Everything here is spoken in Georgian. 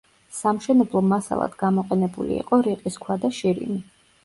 სამშენებლო მასალად გამოყენებული იყო რიყის ქვა და შირიმი.